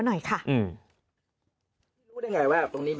อย่างไรแหละตรงนี้ต้นเที่ยว